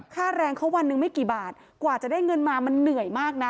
ค่าแรงเขาวันหนึ่งไม่กี่บาทกว่าจะได้เงินมามันเหนื่อยมากนะ